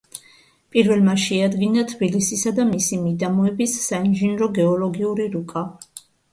პირველმა შეადგინა თბილისისა და მისი მიდამოების საინჟინრო გეოლოგიური რუკა.